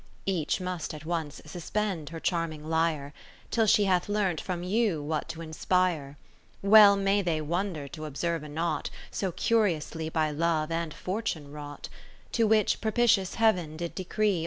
J'^ach must at once suspend her charming lyre. Till she hath learnt from you what to inspire : ^\'eU may they wonder to observe a knot, \ So curiously by Love and P'ortune ! wrought, ^ '1 o which propitious Heaven did decree.